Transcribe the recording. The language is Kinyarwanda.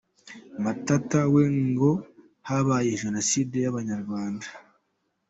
Matata we ngo habaye Jenoside y’Abanyarwanda